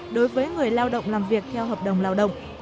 đối với người lao động làm việc theo hợp đồng lao động